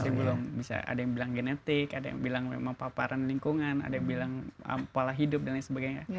masih belum bisa ada yang bilang genetik ada yang bilang memang paparan lingkungan ada yang bilang pola hidup dan lain sebagainya